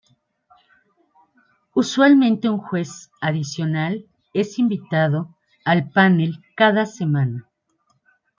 Usualmente, un juez adicional es invitado al panel cada semana.